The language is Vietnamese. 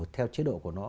theo chế độ của nó